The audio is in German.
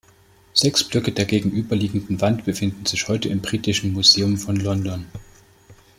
Sechs Blöcke der gegenüberliegenden Wand befinden sich heute im Britischen Museum von London.